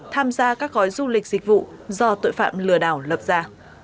tham gia các gói du lịch dịch vụ do tội phạm lừa đảo lập ra